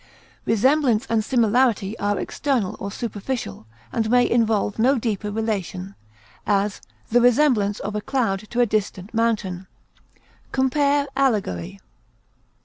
Resemblance and similarity are external or superficial, and may involve no deeper relation; as, the resemblance of a cloud to a distant mountain. Compare ALLEGORY.